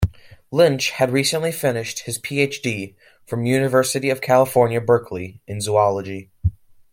Lynch had recently finished his Ph.D. from University of California, Berkeley in Zoology.